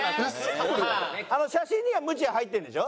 写真にはムチ入ってるんでしょ？